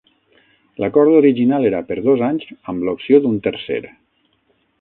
L'acord original era per dos anys amb l'opció d'un tercer.